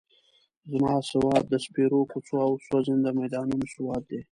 زما سواد د سپېرو کوڅو او سوځنده میدانونو سواد دی.